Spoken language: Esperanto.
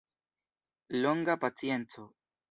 Longa pacienco.